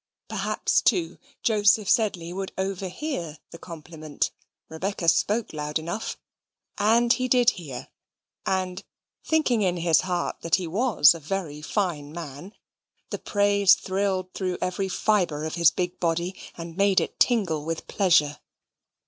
Perhaps, too, Joseph Sedley would overhear the compliment Rebecca spoke loud enough and he did hear, and (thinking in his heart that he was a very fine man) the praise thrilled through every fibre of his big body, and made it tingle with pleasure.